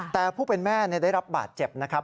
แต่ผู้เป็นแม่ได้รับบาดเจ็บนะครับ